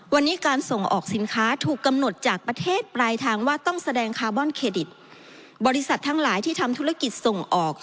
วันนี้การส่งออกสินค้าถูกกำหนดจากประเทศปลายทางว่าต้องแสดงคาร์บอนเครดิตบริษัททั้งหลายที่ทำธุรกิจส่งออก